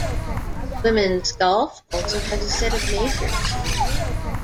Women's golf also has a set of majors.